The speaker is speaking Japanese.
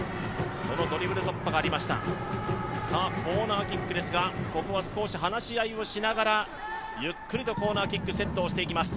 コーナーキックですが、ここは少し話し合いをしながらゆっくりとコーナーキックセットをしていきます。